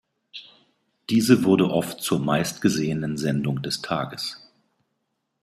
Diese wurde oft zur meistgesehenen Sendung des Tages.